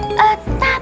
bu mum sebenarnya